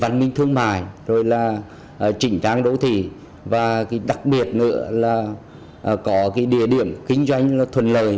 văn minh thương mại chỉnh trang đỗ thị và đặc biệt nữa là có địa điểm kinh doanh thuần lời